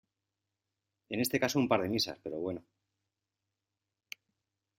en este caso un par de misas , pero bueno ...